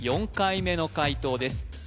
４回目の解答です